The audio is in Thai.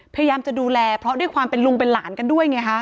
พยายามจะดูแลเพราะด้วยความเป็นลุงเป็นหลานกันด้วยไงฮะ